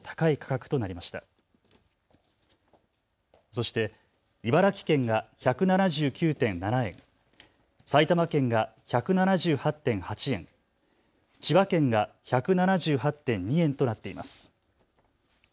そして茨城県が１７９．７円、埼玉県が１７８．８円、千葉県が１７８．２円となっています。